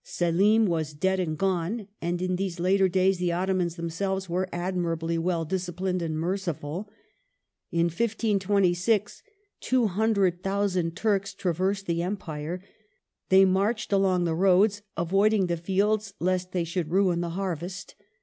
Selim was dead and gone, and in these later days the Otto mans themselves were admirably well disci plined and merciful. In 1526 two hundred thousand Turks traversed the Empire; they marched along the roads, avoiding the fields lest they should ruin the harvest.